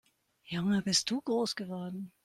Junge, bist du groß geworden!